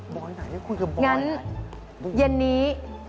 บอยไหนคุณคือบอยล่ะงั้นเย็นนี้